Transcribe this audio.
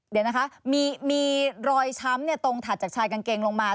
เดี๋ยวนะคะมีรอยช้ำตรงถัดจากชายกางเกงลงมา